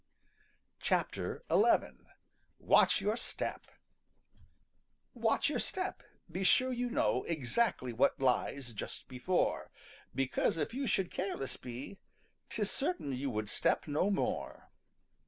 XI. WATCH TOUR STEP! ````Watch your step! Be sure you know `````Exactly what lies just before, ````Because if you should careless be `````'Tis certain you would step no more.